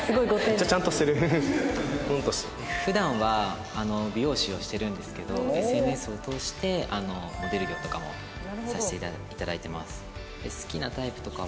普段は美容師をしてるんですけどＳＮＳを通してモデル業とかもさせていただいてます。